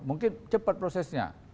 mungkin cepat prosesnya